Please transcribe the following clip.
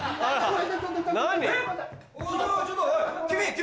君！